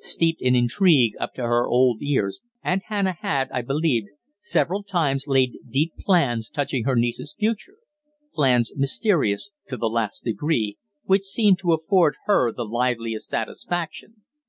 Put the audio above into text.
Steeped in intrigue up to her old ears, Aunt Hannah had, I believed, several times laid deep plans touching her niece's future plans mysterious to the last degree, which seemed to afford her the liveliest satisfaction.